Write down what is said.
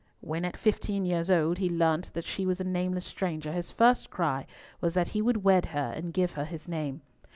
When, at fifteen years old, he learnt that she was a nameless stranger, his first cry was that he would wed her and give her his name.